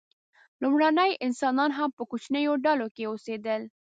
لومړني انسانان هم په کوچنیو ډلو کې اوسېدل.